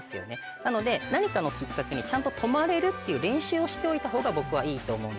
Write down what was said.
なので何かのきっかけにちゃんと。をしておいたほうが僕はいいと思うんですよ。